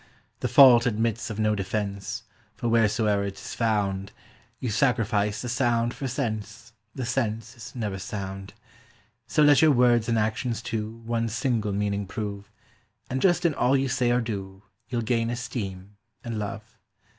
The fault admits of no defence, for wheresoe'er 'tis found, You sacrifice the sound for sense; the sense is never sound. So let your words and actions, too, one single meaning prove, And just in all you say or do, you'll gain esteem and love.